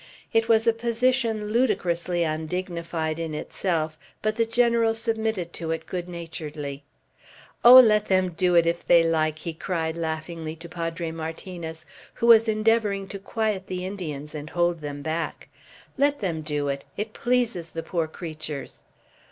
It was a position ludicrously undignified in itself, but the General submitted to it good naturedly. "Oh, let them do it, if they like," he cried, laughingly, to Padre Martinez, who was endeavoring to quiet the Indians and hold them back. "Let them do it. It pleases the poor creatures."